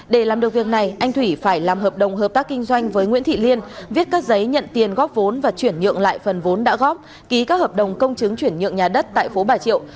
để làm được việc này anh thủy phải làm hợp đồng hợp tác kinh doanh với nguyễn thị liên viết các giấy nhận tiền góp vốn và chuyển nhượng lại phần vốn đã góp ký các hợp đồng công chứng chuyển nhượng nhà đất tại phố bà triệu